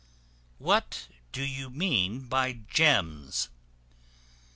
What do you mean by Gems?